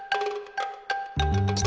きた！